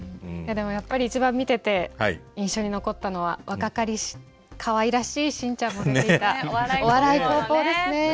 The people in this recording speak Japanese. でもやっぱり一番見てて印象に残ったのは若かりしかわいらしい信ちゃんも出ていた「お笑いポーポー」ですね。